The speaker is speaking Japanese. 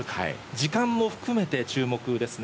時間も含めて注目ですね。